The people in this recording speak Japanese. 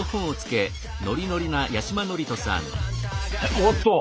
おおっと！